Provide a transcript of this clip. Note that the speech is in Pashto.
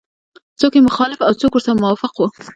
څوک یې مخالف او څوک ورسره موافق وو.